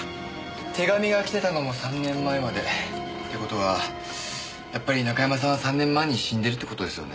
手紙が来てたのも３年前まで。って事はやっぱり中山さんは３年前に死んでるって事ですよね。